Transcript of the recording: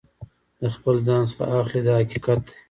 د خپل ځان څخه اخلي دا حقیقت دی.